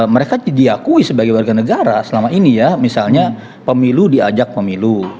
mereka diakui sebagai warga negara selama ini ya misalnya pemilu diajak pemilu